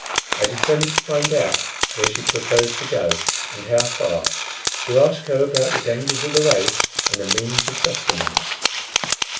I determined to find out where she proposed to go, and how far; to ask her about the dangers of the way and the means of sustenance.